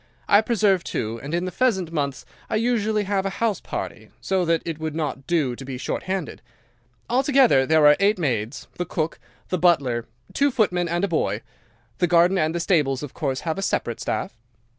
I preserve, too, and in the pheasant months I usually have a house party, so that it would not do to be short handed. Altogether there are eight maids, the cook, the butler, two footmen, and a boy. The garden and the stables of course have a separate staff.